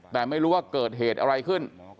แต่ไม่รู้ว่าเกิดเหตุอะไรขึ้น